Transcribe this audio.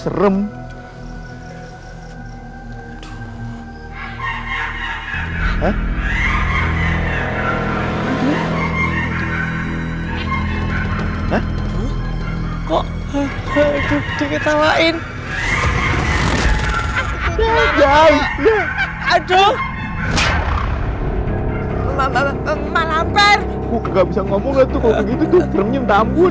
hai mbak mbak mbak mbak lampar nggak bisa ngomong gitu tuh nyentang bunuh